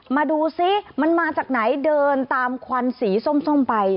มาดูซิมันมาจากไหนเดินตามควันสีส้มไป